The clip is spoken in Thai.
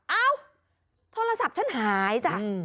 เอ้าโทรศัพท์ฉันหายจ้ะ